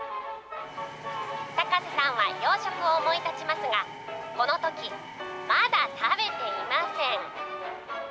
高瀬さんは養殖を思い立ちますが、このとき、まだ食べていません。